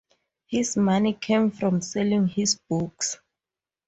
His money came from selling his books.